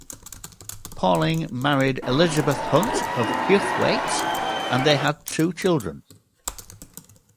Paling married Elizabeth Hunt of Huthwaite, and they had two children.